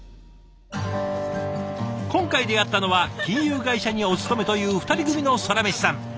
今回出会ったのは金融会社にお勤めという２人組のソラメシさん。